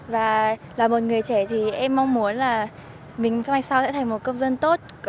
và là một người trẻ thì em mong muốn là mình hôm mai sau sẽ thành một công dân tốt